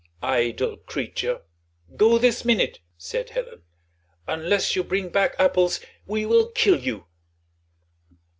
"Idle creature, go this minute," said Helen; "unless you bring back apples we will kill you."